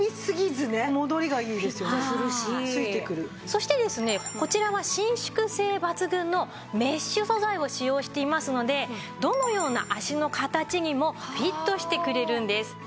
そしてですねこちらは伸縮性抜群のメッシュ素材を使用していますのでどのような足の形にもフィットしてくれるんです。